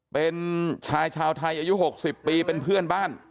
เป็นชายชาวไทยอายุ๖๐ปีเป็นเพื่อนบ้าน